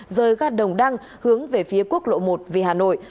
rơi gác đồng đăng hướng về phía quốc lộ một về hà nội